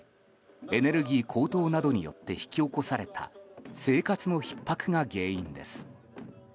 エネルギー高騰などによって引き起こされた生活のひっ迫が原因です。